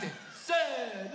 せの！